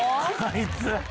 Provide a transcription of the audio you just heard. あいつ。